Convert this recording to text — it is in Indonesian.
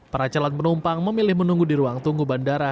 para calon penumpang memilih menunggu di ruang tunggu bandara